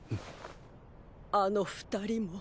あの二人も。